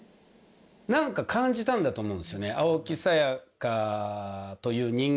なんか感じたんだと思うんですよね。